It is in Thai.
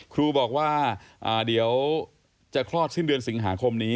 ครูบอกว่าเดี๋ยวจะคลอดสิ้นเดือนสิงหาคมนี้